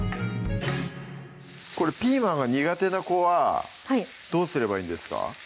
これピーマンが苦手な子はどうすればいいんですか？